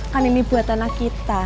kan ini buat anak kita